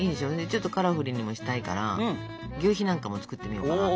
ちょっとカラフルにもしたいからぎゅうひなんかも作ってみようかなと。